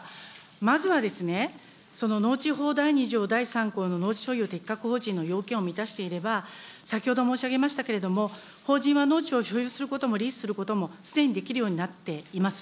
まずはですね、その農地法第２条第３項の農地所有適格法人の要件を満たしていれば、先ほど申し上げましたけれども、法人は農地を所有することもリースすることもすでにできるようになっています。